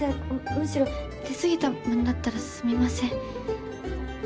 むしろ出過ぎたまねだったらすみません。